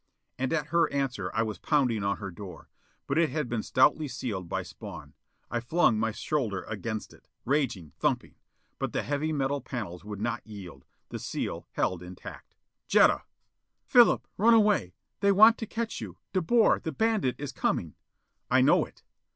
And at her answer I was pounding on her door. But it had been stoutly sealed by Spawn. I flung my shoulder against it, raging, thumping. But the heavy metal panels would not yield; the seal held intact. "Jetta!" "Philip, run away! They want to catch you! De Boer, the bandit, is coming!" "I know it!"